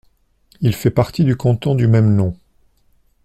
Il fait partie du canton du même nom.